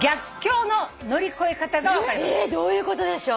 えどういうことでしょう？